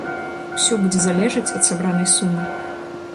Усё будзе залежаць ад сабранай сумы.